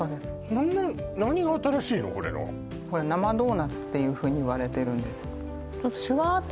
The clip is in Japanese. そんなこれ生ドーナツっていうふうにいわれてるんです